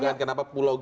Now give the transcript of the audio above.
itu juga kenapa pulau g